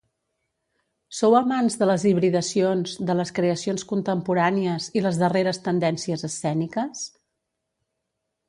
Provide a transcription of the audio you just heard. Sou amants de les hibridacions, de les creacions contemporànies i les darreres tendències escèniques?